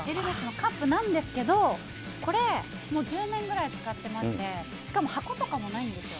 カップなんですけど、これ、もう１０年ぐらい使ってまして、しかも箱とかもないんですよ。